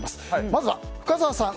まずは深澤さん